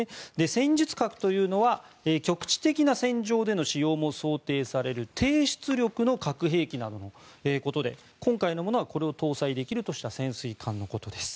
戦術核というのは局地的な戦場での使用も想定される低出力の核兵器などのことで今回のものは、これを搭載できる潜水艦のことです。